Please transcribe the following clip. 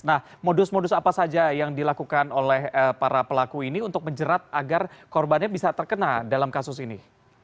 nah modus modus apa saja yang dilakukan oleh para pelaku ini untuk menjerat agar korbannya bisa terkena dalam kasus ini